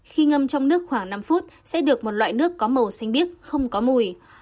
khi ngâm trong nước khoảng năm phút sẽ được một loại nước có màu xanh biếc không có mùi